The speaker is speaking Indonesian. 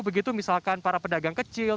begitu misalkan para pedagang kecil